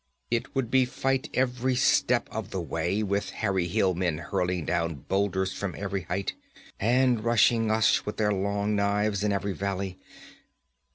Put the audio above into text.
It would be fight every step of the way, with hairy hill men hurling down boulders from every height, and rushing us with their long knives in every valley.